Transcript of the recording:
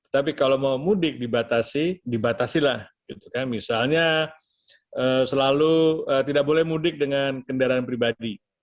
tapi kalau mau mudik dibatasi dibatasilah misalnya selalu tidak boleh mudik dengan kendaraan pribadi